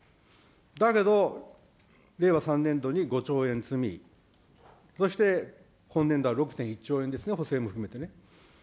だけど、令和３年度に５兆円積み、そして今年度は６．１兆円ですね、補正も含めてね。